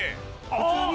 あっ！